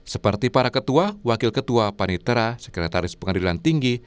seperti para ketua wakil ketua panitera sekretaris pengadilan tinggi